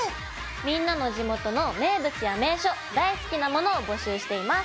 みんなの地元の名物や名所大好きなものを募集しています。